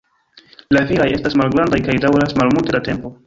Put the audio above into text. La viraj estas malgrandaj kaj daŭras malmulte da tempo.